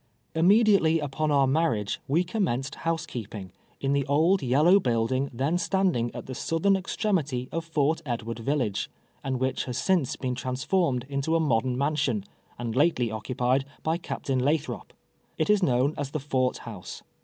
Immediately ui)on our marriage we commenced house keeping, in the old yellow building then stand ing at the southern extremity of Fort Edward village, and whicli has since been transformed into a modern mansion, and lately occupied by Ca]>tain Lathrop. It is known as the Fort House.